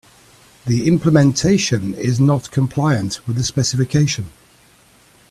The implementation is not compliant with the specification.